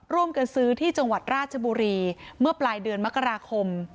ร่วมกันซื้อที่จังหวัดราชบุรีเมื่อปลายเดือนมกราคม